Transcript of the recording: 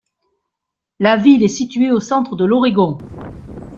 La ville est située au centre de l'Oregon.